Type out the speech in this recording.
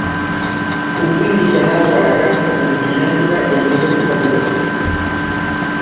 Fu quindi chiamato alla cattedra di genetica dell'Università di Roma.